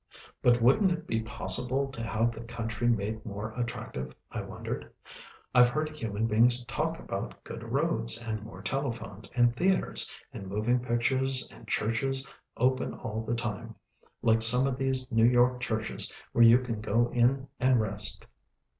But wouldn't it be possible to have the country made more attractive, I wondered. I've heard human beings talk about good roads, and more telephones, and theatres, and moving pictures and churches open all the time, like some of these New York churches where you can go in and rest.